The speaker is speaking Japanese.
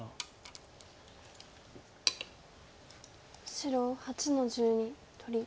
白８の十二取り。